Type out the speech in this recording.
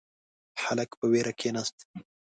هلک په وېره کښیناست.